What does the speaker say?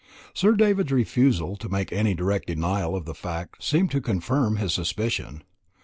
Sir David's refusal to make any direct denial of the fact seemed to confirm his suspicion.